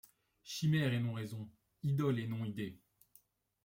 Chimère et non raison, idole et non idée.